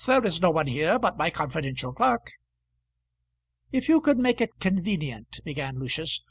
"There is no one here but my confidential clerk." "If you could make it convenient " began Lucius.